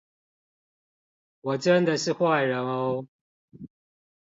我真的是壞人喔